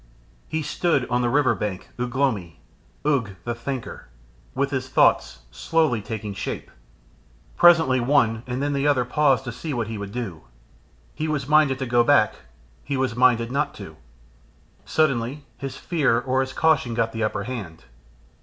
He stood on the river bank, Ugh lomi Ugh the Thinker with his thoughts slowly taking shape. Presently one and then another paused to see what he would do. He was minded to go back, he was minded not to. Suddenly his fear or his caution got the upper hand.